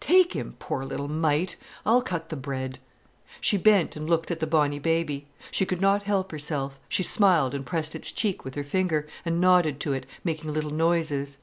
Take him, poor little mite—I'll cut the bread." She bent and looked at the bonny baby. She could not help herself: she smiled, and pressed its cheek with her finger, and nodded to it, making little noises.